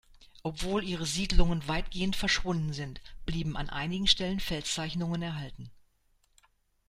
Obwohl ihre Siedlungen weitgehend verschwunden sind, blieben an einigen Stellen Felszeichnungen erhalten.